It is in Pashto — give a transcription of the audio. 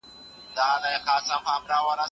که ميرمن خدمت ونکړي څه پېښيږي؟